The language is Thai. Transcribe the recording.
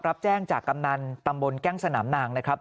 รับแจ้งจากกำนันตำบลแก้งสนามนางนะครับ